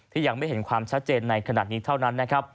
ที่ยังไม่เห็นความชัดเจนในขณะนี้เท่านั้น